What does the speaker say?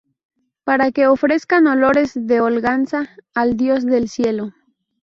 Para que ofrezcan olores de holganza al Dios del cielo.